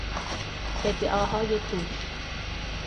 ادعاهای پوچ